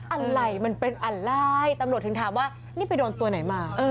อะไรมันเป็นอะไรตำรวจถึงถามว่านี่ไปโดนตัวไหนมา